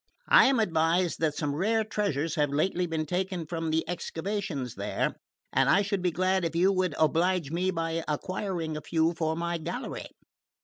I am advised that some rare treasures have lately been taken from the excavations there and I should be glad if you would oblige me by acquiring a few for my gallery.